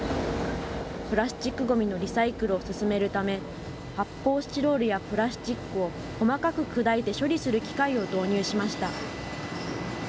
プラスチックごみのリサイクルを進めるため、発泡スチロールやプラスチックを細かく砕いて処理する機械を導入しました。